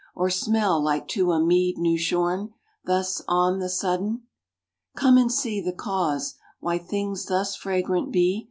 Or smell, like to a mead new shorn, Thus, on the sudden? Come and see The cause, why things thus fragrant be.